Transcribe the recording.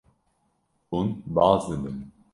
Hûn baz didin.